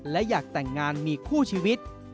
และอยากแต่งงานมีคู่ชีวิต